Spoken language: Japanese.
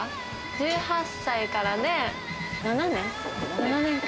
１８歳からで７年。